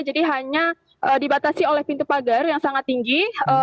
jadi hanya dibatasi oleh pintu pagar yang sangat tinggi